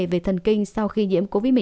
về thần kinh sau khi nhiễm covid một mươi chín